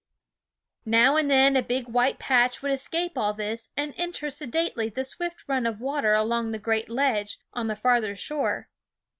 Now and then a big white patch would escape all this and enter sedately the swift run of water along the great ledge on the farther shore.